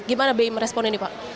gimana bmi meresponnya ini pak